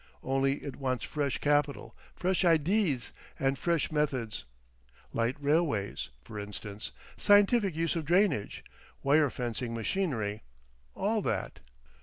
Only it wants fresh capital, fresh idees and fresh methods. Light railways, f'rinstance—scientific use of drainage. Wire fencing machinery—all that."